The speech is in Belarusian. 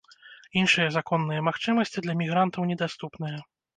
Іншыя законныя магчымасці для мігрантаў не даступныя.